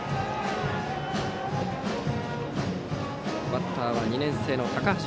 バッターは２年生、高橋。